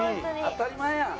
当たり前やん。